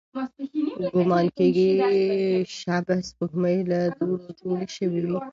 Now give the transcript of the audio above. ګومان کېږي، شبح سپوږمۍ له دوړو جوړې شوې وي.